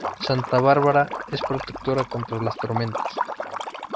Santa Bárbara es la protectora contra las tormentas.